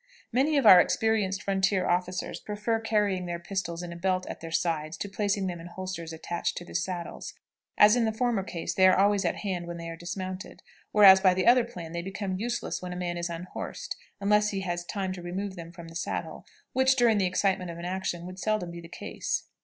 Many of our experienced frontier officers prefer carrying their pistols in a belt at their sides to placing them in holsters attached to the saddle, as in the former case they are always at hand when they are dismounted; whereas, by the other plan, they become useless when a man is unhorsed, unless he has time to remove them from the saddle, which, during the excitement of an action, would seldom be the case.